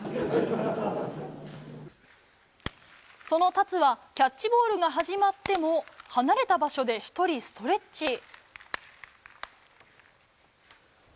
その達はキャッチボールが始まっても離れた場所で１人ストレッチ。